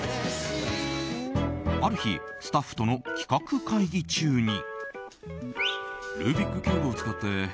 ある日スタッフとの企画会議中に。